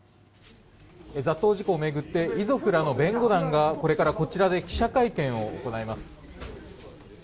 「雑踏事故を巡って遺族らの弁護団がこのあとこちらで記者会見を行います」